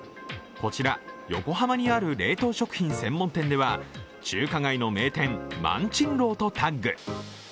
こちら、横浜にある冷凍食品専門店では中華街の名店・萬珍樓とタッグ。